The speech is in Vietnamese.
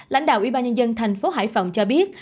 lãnh đạo ủy ban nhân dân thành phố hải phòng cho biết